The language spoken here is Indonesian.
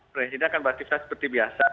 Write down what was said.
presiden akan beraktifitas seperti biasa